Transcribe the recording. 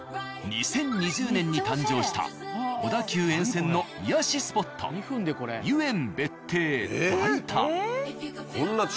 ２０２０年に誕生した小田急沿線の癒しスポット由縁別邸代田。